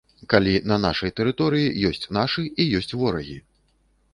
Калі на нашай тэрыторыі ёсць нашы і ёсць ворагі.